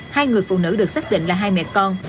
hai người phụ nữ được xác định là hai mẹ con